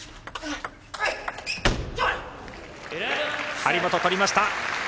張本、取りました！